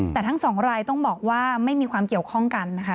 แต่ทั้งสองรายต้องบอกว่าไม่มีความเกี่ยวข้องกันนะคะ